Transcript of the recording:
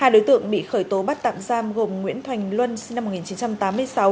hai đối tượng bị khởi tố bắt tạm giam gồm nguyễn thành luân sinh năm một nghìn chín trăm tám mươi sáu